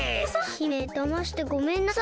姫だましてごめんなさい。